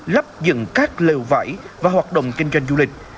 lắp dựng các lều vải và hoạt động kinh doanh du lịch